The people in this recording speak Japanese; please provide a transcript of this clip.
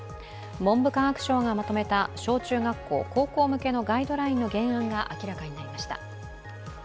文部科学省がまとめた小中学校、高校向けのガイドラインの原案が明らかになりました。